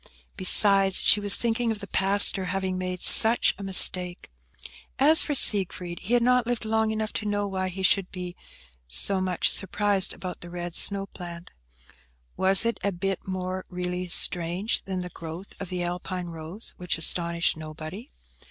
Besides, she was thinking of the pastor having made such a mistake. As for Siegfried, he had not lived long enough to know why he should be so much surprised about the red snow plant; was it a bit more really strange than the growth of the Alpine rose, which astonished nobody?